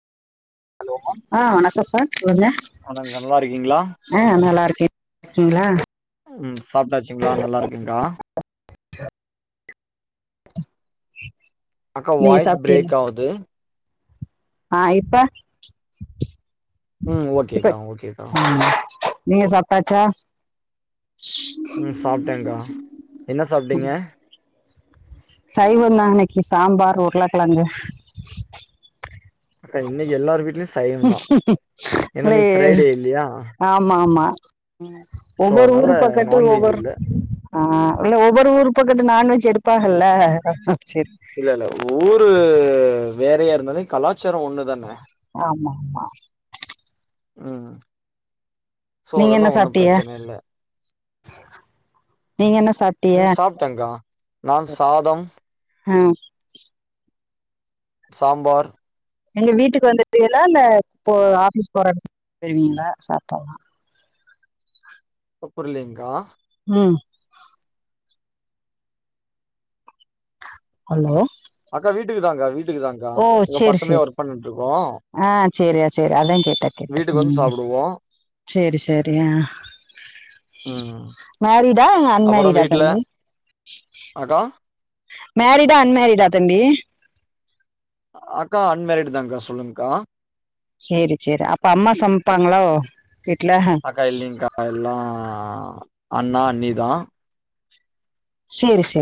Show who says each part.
Speaker 1: hello
Speaker 2: ஆ வணக்கோ sir சொல்லுங்க
Speaker 1: வணக் நல்லா இருக்கீங்களா
Speaker 2: ஆ நல்லா இருக்கே இருக்கிங்ளா
Speaker 1: ம் சாப்டாச்சிங்ளா நல்லா இருக்கேங்கா அக்கா
Speaker 2: நீங்க
Speaker 1: வாய்ஸ்
Speaker 2: சாப்ட்டீல
Speaker 1: பிரேக் ஆவுது
Speaker 2: ஆ இப்ப
Speaker 1: ம்
Speaker 2: இப்ப
Speaker 1: ஓகேக்கா ஓகேக்கா
Speaker 2: ஆ நீங்க சாப்டாச்சா
Speaker 1: ம் சாப்டேகா என்ன சாப்டீங்க
Speaker 2: சைவோ தா இன்னைக்கி சாம்பார் உருளக்கெழங்கு
Speaker 1: அக்கா இன்னைக்கி எல்லாரு வீட்லயு சைவோதா ஏன்னா
Speaker 2: இல்ல
Speaker 1: இனைக்கி ஃப்ரைடே இல்லையா
Speaker 2: ஆமா ஆமா
Speaker 1: சோ
Speaker 2: ஒவ்வொரு
Speaker 1: அதனால
Speaker 2: ஊரு பக்கத்து
Speaker 1: நான்வெஜ்
Speaker 2: ஒவ்வொரு
Speaker 1: இல்ல
Speaker 2: ஆ இல்ல ஒவ்வொரு ஊர் பக்கத்து நான்வெஜ் எடுப்பாங்கல்ல ம் ம் செரி
Speaker 1: இல்ல இல்லஊரு வேறயா இருந்தாலு கலாச்சார ஒன்னுதான
Speaker 2: ஆமா மா
Speaker 1: ம் சோ
Speaker 2: நீங்க
Speaker 1: அதெல்லா
Speaker 2: என்ன
Speaker 1: ஒன்னு
Speaker 2: சாப்ட்டீய
Speaker 1: பிரச்சனல்ல
Speaker 2: நீங்க என்ன சாப்ட்டீய
Speaker 1: ம் சாப்ட்டங்க்கா நா சாதம்
Speaker 2: ஆ
Speaker 1: சாம்பார்
Speaker 2: எங்க வீட்டுக்கு வந்துருவீங்களா இல்ல போ ஆஃபீஸ் போற இடத்துக்கு போய்ருவீங்களா சாப்டல்லா
Speaker 1: இப்ப புரிலிங்கா
Speaker 2: ம் ஹலோ
Speaker 1: அக்கா வீட்டுக்குதாங்க்கா வீட்டுக்குதாங்க்கா
Speaker 2: ஓ
Speaker 1: இங்க
Speaker 2: சேரி
Speaker 1: பக்கமே
Speaker 2: சேரி
Speaker 1: ஒர்க் பண்ட்ருக்கோ
Speaker 2: ஆ சரியா சரி அதா கேட்ட கேட்ட
Speaker 1: வந்து
Speaker 2: ம்
Speaker 1: சாப்டுவோ
Speaker 2: செரி செரி
Speaker 1: ம்
Speaker 2: மேரிடா அன்மேரிடா தம்பி
Speaker 1: அதா
Speaker 2: மேரிடா அன்மேரிடா தம்பி
Speaker 1: அக்கா அன்மேரிட் தான்ங்க்கா சொல்லுங்க்கா
Speaker 2: செரி செரி அப்ப அம்மா சமைப்பாங்ளோ வீட்ல
Speaker 1: அக்கா இல்லிங்க்கா எல்லா அண்ணா அண்ணிதா
Speaker 2: செரி செரி